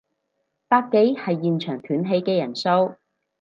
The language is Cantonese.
百幾係現場斷氣嘅人數